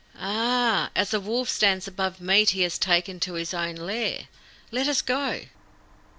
"Ah! As a wolf stands above meat he has taken to his own lair. Let us go."